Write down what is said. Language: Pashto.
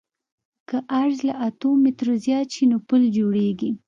که عرض له اتو مترو زیات شي نو پل جوړیږي